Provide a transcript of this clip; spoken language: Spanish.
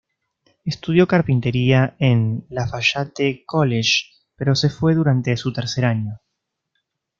Estudió carpintería en Lafayette College, pero se fue durante su tercer año.